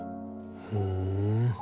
ふん。